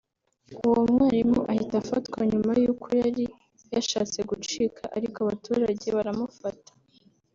uwo mwarimu ahita afatwa nyuma y’uko yari yashatse gucika ariko abaturage baramufata